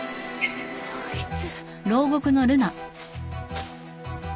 あいつ。